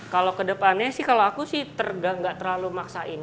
kalau ke depannya sih kalau aku sih gak terlalu maksain